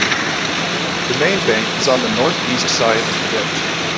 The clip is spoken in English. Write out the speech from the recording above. The main bank is on the north-east side of the ditch.